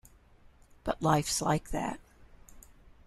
But life's like that.